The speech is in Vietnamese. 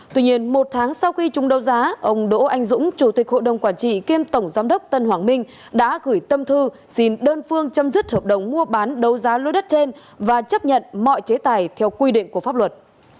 tuy nhiên một tháng sau khi chung đấu giá ông đỗ anh dũng chủ tịch hội đồng quản trị kiêm tổng giám đốc tân hoàng minh đã gửi tâm thư xin đơn phương chấm dứt hợp đồng mua bán đấu giá lô đất trên và chấp nhận mọi chế tài theo quy định của pháp luật